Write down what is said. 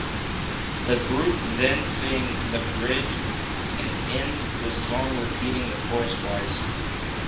The group then sing the bridge, and end the song repeating the chorus twice.